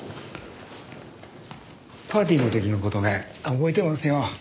パーティーの時の事ね覚えてますよ。